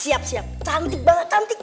siap siap cantik banget cantik